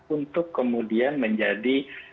untuk kemudian menjadi